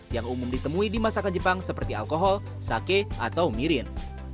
yang umum ditemui di masakan jepang seperti alkohol sake atau mirin